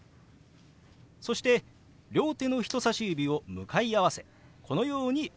そして両手の人さし指を向かい合わせこのように動かします。